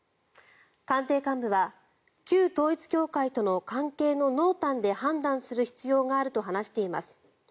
官邸幹部は旧統一教会との関係の濃淡で判断する必要があると話しています。